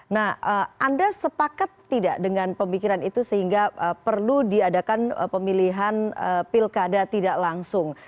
nah anda sepakat tidak dengan pemikiran itu sehingga perlu diadakan pemilihan pilkada tidak langsung